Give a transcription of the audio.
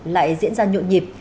lại diễn ra nhộn nhịp